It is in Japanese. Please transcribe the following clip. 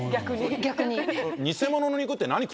逆に。